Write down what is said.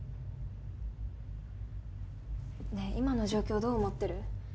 ねえ今の状況どう思ってる？